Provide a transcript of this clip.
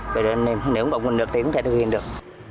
vậy nên nếu không có nguồn nước thì không thể thực hiện được